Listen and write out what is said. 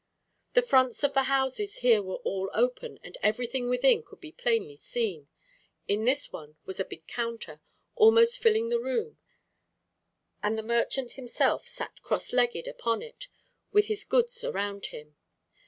The fronts of the houses here were all open and everything within could be plainly seen. In this one was a big counter, almost filling the room, and the merchant himself sat cross legged upon it with his goods around him.